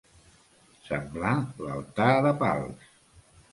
Semblar l'altar de Pals.